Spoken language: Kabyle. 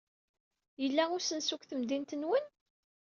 Yella usensu deg temdint-nwen?